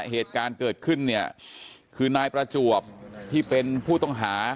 เหตุการณ์เกิดขึ้นเนี่ยคือนายประจวบที่เป็นผู้ต้องหา